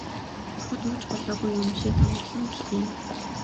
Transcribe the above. Бурхад юу ч болоогүй юм шиг амгалан мэлтийнэ.